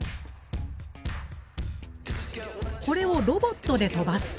これをロボットで飛ばすと。